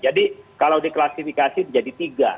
jadi kalau diklasifikasi jadi tiga